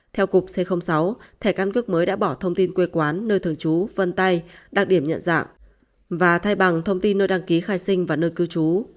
theo cục c sáu thẻ căn cước mới đã bỏ thông tin quê quán nơi thường trú vân tay đặc điểm nhận dạng và thay bằng thông tin nơi đăng ký khai sinh và nơi cư trú